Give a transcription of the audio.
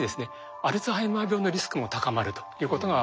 アルツハイマー病のリスクも高まるということが分かっています。